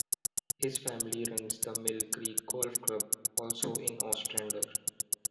His family runs the Mill Creek Golf Club, also in Ostrander.